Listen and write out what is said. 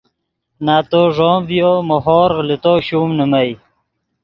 نتو ݱوم ڤیو مو ہورغ لے تو شوم نیمئے